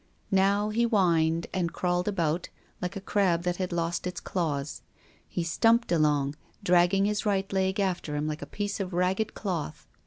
Now he whined, and crawled about, like a crab that had lost its claws. He stumped along, dragging his right leg after him like a piece of ragged cloth.